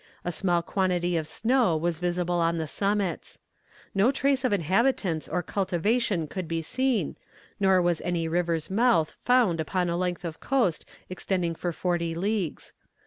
A small quantity of snow was visible on the summits. No trace of inhabitants or cultivation could be seen; nor was any river's mouth found upon a length of coast extending for forty leagues.